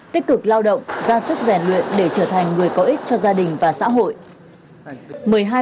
tích cực lao động ra sức rèn luyện để trở thành người có ích cho gia đình và xã hội